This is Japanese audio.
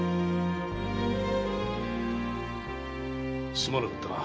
すまなかったな。